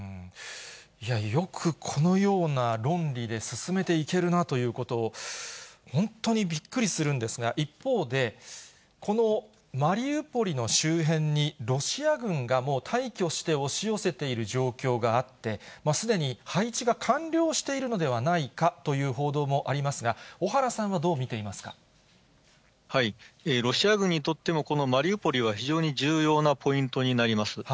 いや、よくこのような論理で進めていけるなということを、本当にびっくりするんですが、一方で、このマリウポリの周辺にロシア軍がもう大挙して押し寄せている状況があって、すでに配置が完了しているのではないかという報道もありますが、ロシア軍にとっても、このマリウポリは非常に重要なポイントになります。